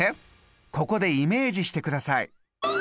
ここでイメージしてください。